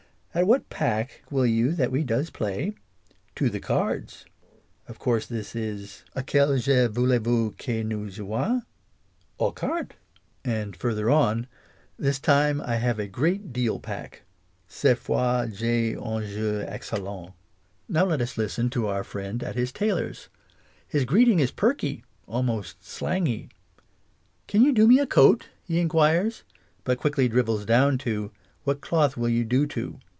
" At what pack will you that we does play ?"" To the cards." Of course this is " A quel jeu voulez vous que nous jouionsf*^ '*Aux cartes/' and further on " This time I have a great deal pack," " Cette foisfai wijeu excellent'' Introduction. xi. Now let us listen to our friend at his tailor's : his greeting is perky — almost slangy. "Can you do me a coat ?*' he enquires, but quickly drivels down to " What cloth will you do to